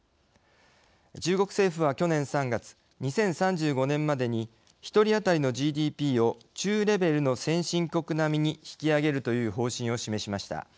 中国政府は、去年３月２０３５年までに１人当たりのＧＤＰを中レベルの先進国並みに引き上げるという方針を示しました。